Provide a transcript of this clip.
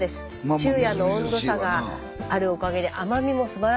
昼夜の温度差があるおかげで甘みもすばらしいそうです。